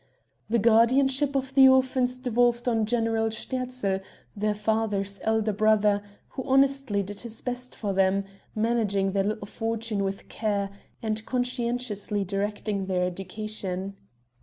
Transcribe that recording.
The guardianship of the orphans devolved on General Sterzl, their father's elder brother, who honestly did his best for them, managing their little fortune with care, and conscientiously directing their education.